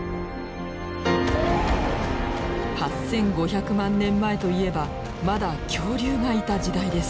８，５００万年前といえばまだ恐竜がいた時代です。